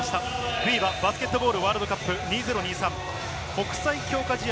ＦＩＢＡバスケットボールワールドカップ２０２３、国際強化試合